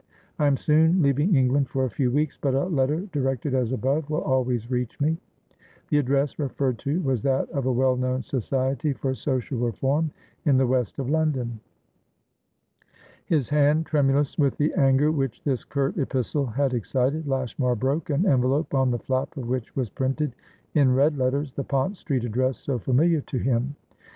I am soon leaving England for a few weeks, but a letter directed as above will always reach me." The address referred to was that of a well known Society for Social Reform in the west of London. His hand tremulous with the anger which this curt epistle had excited, Lashmar broke an envelope on the flap of which was printed in red letters the Pont Street address so familiar to him.